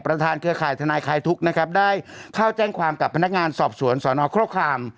ประธานเชื่อข่ายทนายคัยทุกก์นะครับได้เข้าแจ้งความกับพนักงานสอบสวนสวนอครคราม